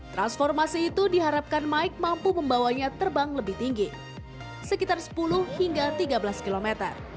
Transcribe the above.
transformasi itu diharapkan mike mampu membawanya terbang lebih tinggi sekitar sepuluh hingga tiga belas km